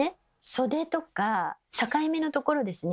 袖とか境目のところですね